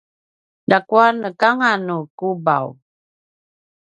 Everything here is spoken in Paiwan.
ljakua nekanganu kubav